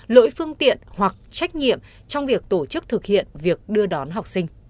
lỗi phương tiện hoặc trách nhiệm trong việc tổ chức thực hiện việc đưa đón học sinh